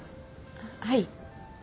はい。